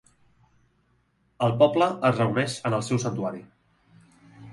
El poble es reuneix en el seu santuari.